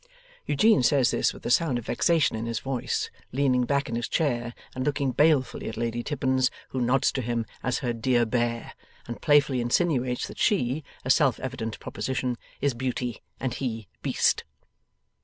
Eugene says this with a sound of vexation in his voice, leaning back in his chair and looking balefully at Lady Tippins, who nods to him as her dear Bear, and playfully insinuates that she (a self evident proposition) is Beauty, and he Beast.